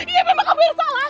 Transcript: iya memang kamu yang salah